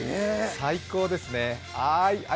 最高ですね。